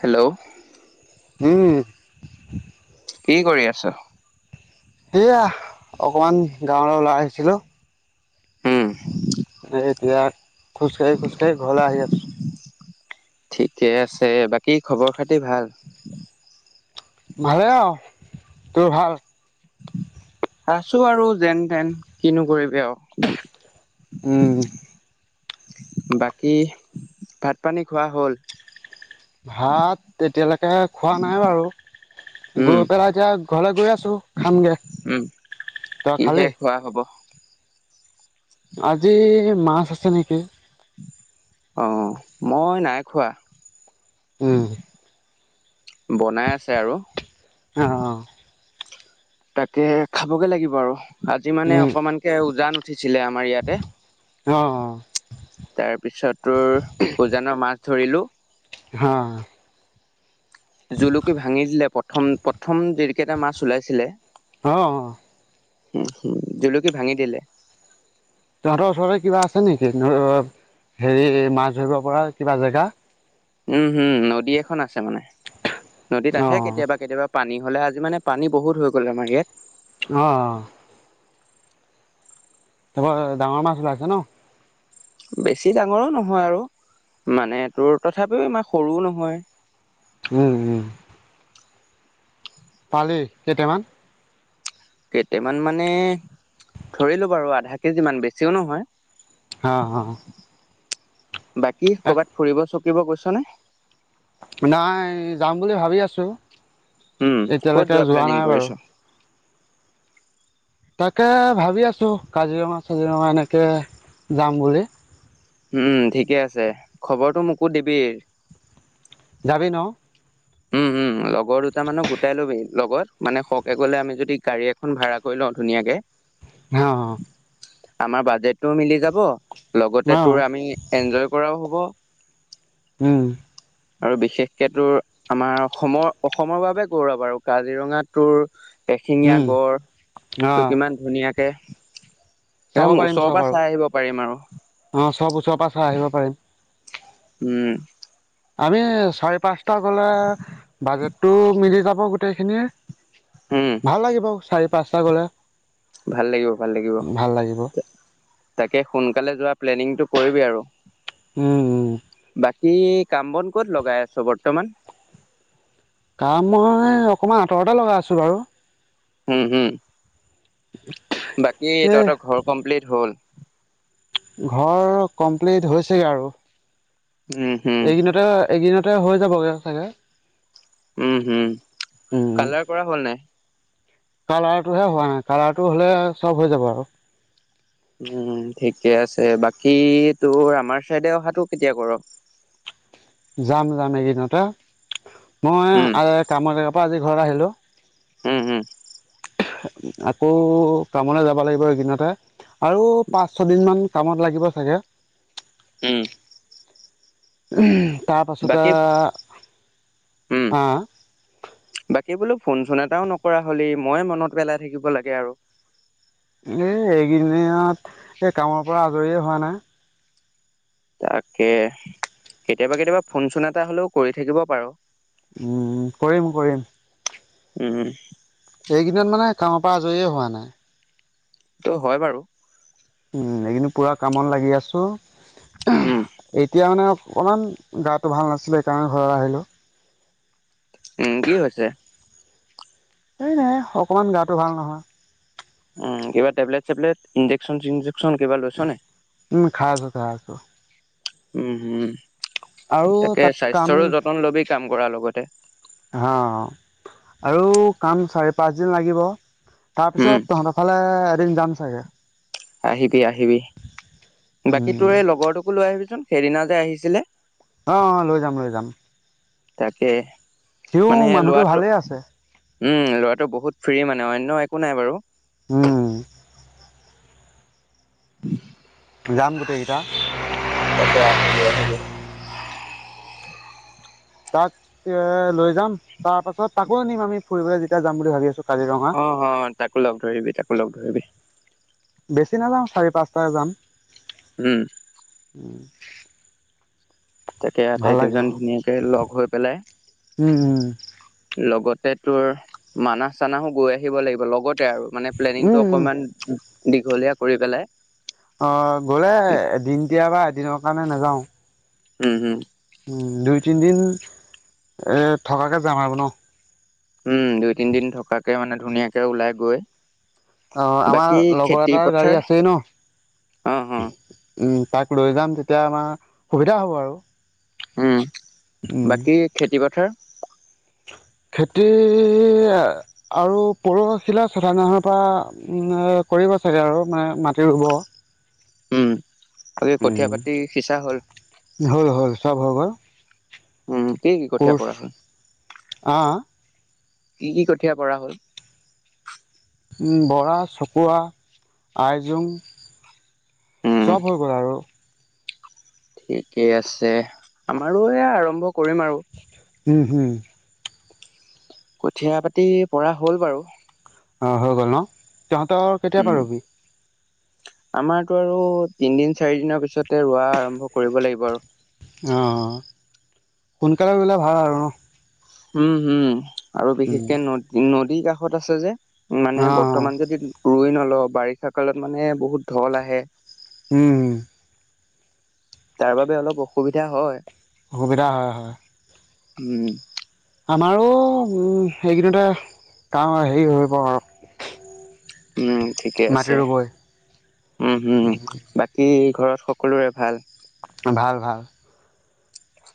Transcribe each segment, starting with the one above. Hello. হম। কি কৰি আছ? সেয়া, অকমান গাঁৱলৈ ওলাই আহিছিলোঁ। হম। এতিয়া খোজকাঢ়ি খোজকাাঢ়ি ঘৰলৈ আহি আছোঁ। ঠিকে আছে, বাকী খবৰ খাতি ভাল? ভালে আও, তোৰ ভাল? আছোঁ আৰু যেন তেন, কিনো কৰিবি আৰু। উম। বাকী ভাত পানী খোৱা হ'ল? ভাত এতিয়ালৈকে খোৱা নাই বাৰু, উম, গৈ পেলাই এতিয়া ঘৰলে গৈ আ আছোঁ খামগে, উম, তই কিহে খালি? খোৱা [inaudible] আজি মাছ আছে নেকি। অঁ মই নাই খোৱা। উম। বনাই আছে আৰু। অঁ। তাকে খাবগে লাগিব আৰু। আজি মানে উম অকমানকে উজান উ আছিলে আমাৰ ইয়াতে। অঁ, অঁ। ধৰিলোঁ। হ। জুলুকি ভাঙি দিলে প প্ৰথম প্ৰথম যিকেইটা মাছ ওলাইছিলে অঁ। উম জুলুকি ভাঙি দিলে। তহঁতৰ ওচৰতে কিবা আছে নেকি [unintelligible] হেৰি মাছ ধৰিব পৰা কিবা জেগা? উমহম নদী এখন আছে মানে। নদীত অ আহে কেতিয়াবা কেতিয়াবা। পানী হ'লে আজি মানে পানী বহুত হৈ গ'ল আমাৰ ইয়াত। অঁ, অঁ। তাৰপৰা ডাঙৰ মাছ ওলাইছে ন? বেছি ডাঙৰো নহয় আৰু মানে তোৰ তথাপিও ইমান সৰুও নহয়। উম উম। পালি কেইটামান? কেইটামান মানে, ধৰিলো বাৰু আধা কেজি মান বেছিও নহয়। অ', অ'। বাকী এক ক'ৰবাত ফুৰিব চ কিব গৈছ নে? নাই যাম বুলি ভাবি আছোঁ। উম, ক'ত যোৱা প্লেনিং কৰিছ? তাকে ভাবি আছোঁ কাজিৰঙা চাজিৰঙা এনেকে যাম বুলি। উম ঠিকে আছে, খবৰটো মোকো দিবি। যাবি ন? উম উম, লগৰ দুটা মানক গোটাই লবি লগত, মানে সৰকে গ'লে আমি যদি গাড়ী এখন ভাড়া কৰি লওঁ ধুনীয়াকে অ আমাৰ বাজেটটোও মিলি যাব লগতে অ তোৰ আমি এনজয় কৰাও হ'ব উম। আৰু বিশেষকে তোৰ আমাৰ অসমৰ অসমৰ বাবে গৌৰৱ আৰু কাজিৰঙা তোৰ এশিঙীয়া উম গড় অ টো কিমান ধুনীয়া। কে চাব পাৰিম চব আৰু আৰু অঁ চব ওচৰৰ পৰা চাই আহিব পাৰিম। উম। আমি চাৰি পাঁচটা গ'লে বাজেটটো মিলি যাব গোটেইখিনি উম ভাল লাগে বাৰু চাই পাঁচটা গ'লে। ভাল লাগিব ভাল লাগিব। ভাল লাগিব তাকে সোনকালে যোৱা প্লেনিংটো কৰিবি আৰু। উম -উম। বাকী কাম বন ক'ত লগাই আছ বৰ্তমান? কাম মই অকমান আঁতৰতে লগাই আছোঁ বাৰু। হম হম। বাকী এই তহঁতৰ ঘৰ কমপ্লিট হ'ল? ঘৰ কমপ্লিট হৈছেগে আৰু। উম হম এইকিদিনতে এইকিদিনত তে হৈ যাবগে চাগে। উম হম, উম কালাৰ কৰা হ'ল নাই? কালাৰটোহে হোৱা নাই কালাৰটো হলে চব হৈ যাব আৰু। উম ঠিকে আছে বাকী তোৰ আমাৰ চাইডে অহাটো কেতিয়া কৰো। যাম যাম এইকেদিনতে মই উম আৰু কামৰে। পৰা আজি ঘৰলৈ আহিলো। হম- হম আকৌ কামলৈ যাব লাগিব এইকেদিনতে। আৰু পাঁচ ছয়দিন মান কামত লাগিব চাগে উম উম তাৰপাছতে বাকী উম আ বাকী বোলো ফোন চোন এটাও নকৰা হ'লি মই মনত পেলাই থাকিব লাগে আৰু এ এইকেদিনীয়াত এই কামৰ পৰা আজৰিয়ে হোৱা নাই তাকে কেতিয়াবা কেতিয়াবা ফোন চোন এটা হলেও কৰি থাকিব পাৰো উম কৰিম কৰিম উম এইকেদিনত মানে কামৰ পৰা আজৰিয়ে হোৱা নাই এইটো হয় বাৰু উম এইকেদিন পুৰা কামত লাগি আছো উম এতিয়া মানে অকণমান গাটো ভাল নাছিলে সেইকাৰণে ঘৰত আহিলোঁ উম কি হৈছে এই নাই অকমান গাটো ভাল নহয় উম কিবা টেবলেট চেবলেট ইঞ্জেকচন চিঞ্জেক উম খাই আছো খাই আছো উম উম আৰু তাকে তাত কাম স্বাস্থ্যৰো যতন ল'বি কাম কৰাৰ লগতে হা আৰু কাম চাৰি পাঁচ দিন লাগিব তাৰ উম পিছত তহঁতৰ ফালে এদিন যাম চাগে আহিবি আহিবি, বাকী উম, তোৰ এই লগৰটোকো লৈ আহিবিচোন সেইদিনা যে আহিছিলে অ অ লৈ যাম লৈ যাম তাকে সিওঁ মানে মানুহটো ল'ৰাটো ভালেই আছে উম ল'ৰাটো বহুত ফ্ৰী মানে অন্য একো নাই বাৰু উম যাম গোটেইকেইটা [inaudible] তাকে আহিবি আহিবি [inaudible] তাক, ইএ লৈ যাম, তাৰপাছত তাকো নিম আমি ফুৰিবলে যেতিয়া যাম বুলি ভাবি আছো। অ-হন'ত, তাকো লগ ধৰিবি-তাকো লগ ধৰিবি। বেছি নাযাওঁ চাৰি-পাঁচটায়ে যাম। উম হুম তাকে আটাইকেইজন ধুনীয়াকে লগ হৈ পেলাই, উম, উম, লগত- টে-তোৰ, মানাহ-চানাহো গৈ আহিব লাগিব লগত- -তে আৰু মানে উম, প্লেনিংটো উম। অকমান দীঘলীয়া কৰি পেলাই অ, গ'লে দিনটিয়া বা দিনৰ কাৰণে নেযাওঁ। উম-হুম হুম, দুই-তিনদিন, এ থকাকে যাম আৰু ন? উম দুই তিনদিন থকাকে মানে ধুনীয়াকে ওলাই গৈ অ আমাৰ বাকী লগৰ খেতি এটাৰ গাড়ী পথাৰ আছেই ন? অ অ বিহ, উম তাক লৈ যাম তেতিয়া আমা, সুবিধা হ'ব আৰু উম, উম, বাকী খেতি-পথাৰ? খেতি য়্যা, আৰু পৰ-হিলা চচ-ৱাৰ নাহৰৰপা, উম-না, কৰিব চাগে আৰু মা-মাটি ৰুব। উম বাকী কঠীয়া উম, পাতি সিঁচা হ'ল হ'ল-হ'ল চব হৈ গ'ল। [unintelligible] উম, কি কি কঠীয়া কোচ পৰা হ'ল? আহ কি কি কঠীয়া পৰা হ'ল? উম, বৰা-চকোৱা, আইজোং উম চব হৈ গ'ল আৰু ঠিকেই আছেহ, আমাৰো এয়া আৰম্ভ কৰিম আৰু উম-হুম কঠিয়া পাতি, পৰা হ'ল বাৰু অঁ, হৈ গ'ল ন? ত্যিয়হঁতৰ, কেতিয়া উম পৰা ৰবি? আমাৰতো আৰু, তিনদিন-চাৰিদিনৰ পিছতে ৰোৱা আৰম্ভ কৰিব লাগিব আৰু য়্যঅঁ, সোনকালে ৰোলে ভাল আৰু ন? উম-হুম আৰু উম। বিশেষকে নদ-নদ দিৰ কাষত আছে যে। মানে অ বৰ্তমান যদি, ৰোই ন'ল- অ, বাৰিষা কালত মানে বহুত ঢল আহে। উম তাৰ বাবে অলপ অসুবিধা হয়। অসুবিধা হয়-হয়। উম আমাৰো উম সেই কেদিনতে কাম হেৰি হ'ব ধৰিব আৰু উম ঠিকে মাটি আছে ৰুবই উম হোম হোম। বাকী ঘৰত সকলোৰে ভাল। ভাল ভাল।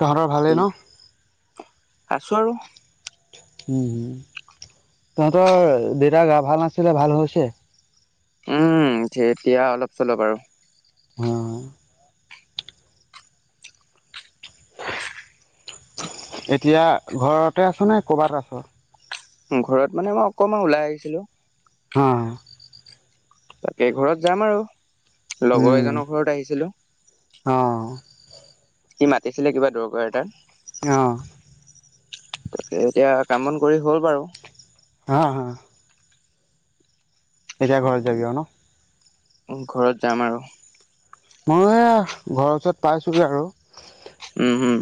তহঁতৰ ভালেই ন? আছো আৰু। উম হুম, তহঁতৰ দেউতাৰ গা ভাল নাছিলে ভাল হৈছে? উম এতিয়া অলপ চলপ আৰু। হুম। এতিয়া ঘৰতে আছে নে কৰ'বাত আছে। ঘৰত মানে মই অকমান ওলাই আহিছিলো। অ' তাকে ঘৰত যাম আৰু। লগৰ উম এজনৰ ঘৰত আহিছিলো। অ' সি মাতিছিলে কিবা দৰকাৰ এটাৰ। অ'। তাকে এতিয়া কাম বন কৰি হ'ল বাৰু। হা হা। এতিয়া ঘৰত যাবি আৰু ন। ঘৰত যাম আৰু। মই এয়া ঘৰৰ ওচৰত পাইছোগে আৰু। উম হম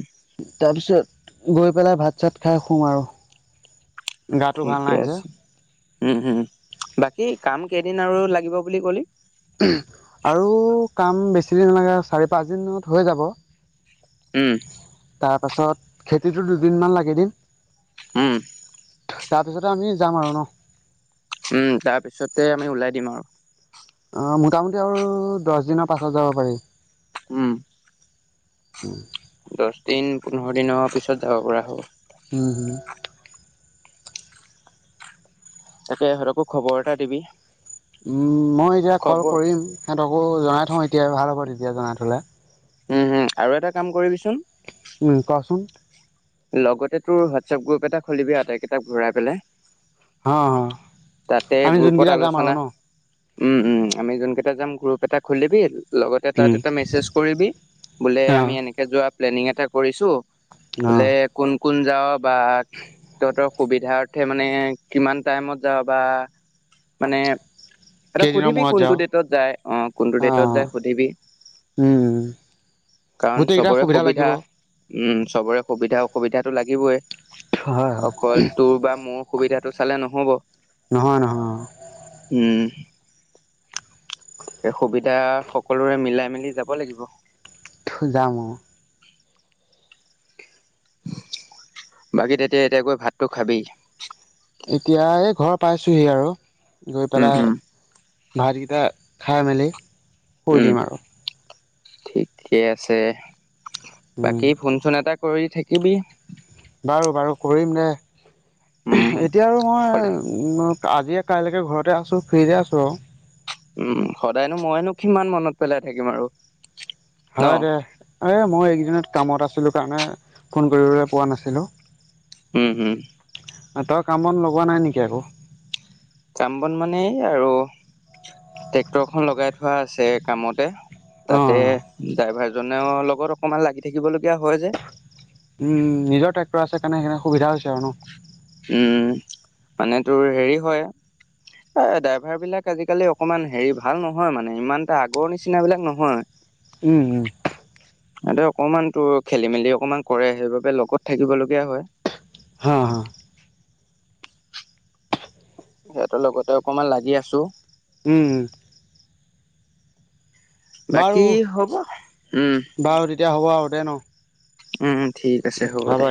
তাৰপিছত গৈ পেলাই ভাত চাত খাই শুম আৰু। গাটো ভাল ঠিকে নাই যে। আছে উম হুম, বাকী কাম কেইদিন আৰু লাগিব বুলি ক'লি। আৰু কাম বেছি দিন নালাগে চাৰি পাঁচ দিনত হৈ যাব। উম তাৰ পাছত। খেতিটো দুদিনমান লাগি দিম। উম। তাৰপিছতে আমি যাম আৰু ন। উম তাৰ পিছতে আমি উলাই দিম আৰু। অ' মোটামোটি আৰু দহ দিনৰ পাছত যাব পাৰি। উম। [inaudible] দহ দিন পোন্ধৰ দিনৰ পিছত যাব পৰা হ'ব। হুম হুম। তাকে সিহঁতোকো খবৰ এটা দিবি। উম মই এতিয়া ক'ল খবৰ কৰিম সিহঁতোকো জনাই অঁ এতিয়া আৰু ভাল হ'ব তেতিয়া জনাই থ'লে। উম হুম, আৰু এটা কাম কৰিবিচোন। উম, ক চোন। লগতে তোৰ হোৱাটছএপ গ্ৰুপ এটা খুলিবি আটাইকেইটাক ভৰাই পেলাই। অঁ, তাতে আমি গ্ৰুপত যোনকেইটা যাম আৰু আলোচনা ন? উম উম, আমি যোনকেইটা যাম গ্ৰুপ এটা খুলিবি। লগতে তাত উম এটা মেছেজ কৰিবি, বোলে অ আমি এনেকে যোৱা প্লেনিং এটা কৰিছোঁ। অ বোলে কোন কোন যা বা তহঁতৰ সুবিধা অৰ্থে মানে কিমান টাইমত যাবা মানে সিহঁতক কেইদিনৰ সুধিবি মূৰত কোনটো যাওঁ ডেটত যায় অঁ কোনটো অ ডেটত যায় সুধিবি, উম কাৰণ গোটেইকেইটা চবৰে সুবিধা লাগিব উম চবৰে সুবিধা অসুবিধাটো লাগিবই। হয় হয় অকল তোৰ বা মোৰ সুবিধাটো চালে নহ'ব। নহয় নহয়। তে, সুবিধা সকলোৰে মিলাই মিলি যাব লাগিব। যাম অ বাকী তেতিয়া এতিয়া গৈ ভাতটো খাবি। এতিয়া এই ঘৰ পাইছোহি আৰু। গৈ উম পেলাই হম ভাতকেইটা খাই মেলি শুই উম দিম আৰু। ঠিকে আছে। উম বাকী শুনচোন এটা কৰি থাকিবি। বাৰু, বাৰু, কৰিম দে। উম এতিয়া আৰু সদায় মই আজিয়ে কাইলৈকে ঘৰতে আছো ফ্ৰীয়ে আছোঁ আৰু উম সদায়নো মইনো কিমান মনত পেলাই থাকিম আৰু? ন হয় দে, এ মই এইকদিনত কামত আছিলোঁ কাৰণে ফোন কৰিবলৈ পোৱা নাছিলোঁ। উম উম। তই কাম বন লগোৱা নাই নেকি একো? কাম বন মানে এই আৰু ট্ৰেক্টৰখন লগাই থোৱা আছে কামতে। অ তাতে ড্ৰাইভাৰ জনৰ লগত অকমান লাগি থাকিবলগীয়া হয় যে উম নিজৰ ট্ৰেক্টৰ আছে কাৰণে সেইখিনি সুবিধা হৈছে। আৰু ন উম মানে তোৰ হেৰি হয় এহ ড্ৰাইভাৰ বিলাক আজিকালি অকমান হেৰি ভাল নহয় মানে ইমান এটা আগৰ নিচিনা বিলাক নহয় উম উম ইহঁতে অকমান তোৰ খেলি মেলি অকমান কৰে সেইবাবে লগত থাকিবলগীয়া হয় হা হা সিহঁতৰ লগতে অকমান লাগি আছো উম উম বাৰু বাকী হ'ব উম এতিয়া হ'ব আও দে ন উম উম ঠিক আছে হ'ব দে